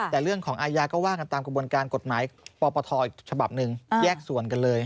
แต่เรื่องของอาญาก็ว่ากันตามกระบวนการกฎหมายปปทอีกฉบับหนึ่งแยกส่วนกันเลย